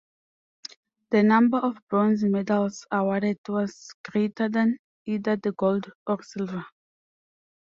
The number of bronze medals awarded was greater than either the gold or silver.